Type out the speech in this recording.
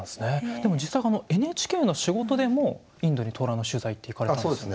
でも実際ＮＨＫの仕事でもインドにトラの取材って行かれたんですよね。